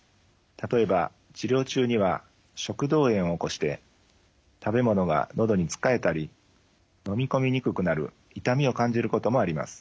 例えば治療中には食道炎を起こして食べ物が喉につかえたり飲み込みにくくなる痛みを感じることもあります。